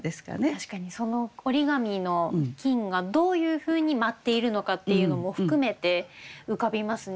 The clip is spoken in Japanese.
確かにその折紙の金がどういうふうに舞っているのかっていうのも含めて浮かびますね。